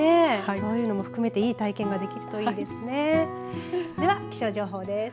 そういうのも含めていい体験ができるといいですね。